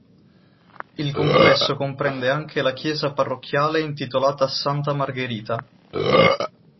Il complesso comprende anche la chiesa parrocchiale intitolata a santa Margherita.